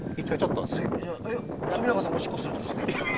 冨永さんがおしっこするってことですか？